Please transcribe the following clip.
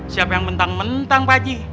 siapa yang mentang mentang pak aji